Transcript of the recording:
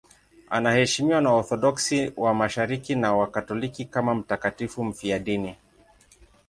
Anaheshimiwa na Waorthodoksi wa Mashariki na Wakatoliki kama mtakatifu mfiadini.